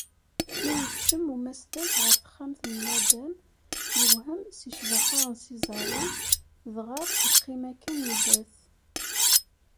Mi yekcem umasdag ɣer texxamt n nadam, yewhem seg ccbaḥa n Césarine, dɣa yeqqim akken ibat.